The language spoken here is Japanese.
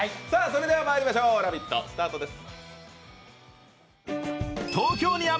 まいりましょう、「ラヴィット！」スタートです。